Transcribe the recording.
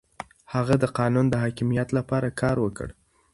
هغه د قانون د حاکميت لپاره کار وکړ.